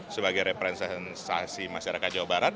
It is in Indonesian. sebagai representasi sensasi masyarakat jawa barat